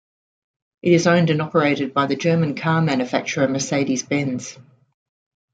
It is owned and operated by the German car manufacturer Mercedes-Benz.